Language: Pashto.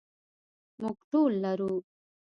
موږ ټول لرو.